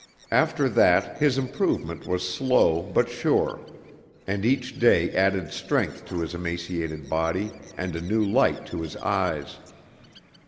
After that his improvement was slow but sure, and each day added strength to his emaciated body and a new light to his eyes.